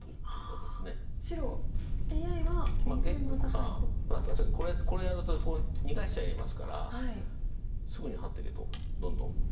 要するにこれやると逃がしちゃいますからすぐにハッていけとどんどん。